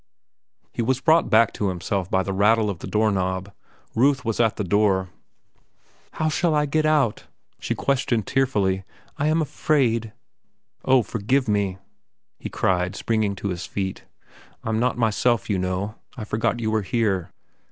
He was brought back to himself by the rattle of the door knob. Ruth was at the door. "How shall I get out?" she questioned tearfully. "I am afraid." "Oh, forgive me," he cried, springing to his feet. "I'm not myself, you know. I forgot you were here."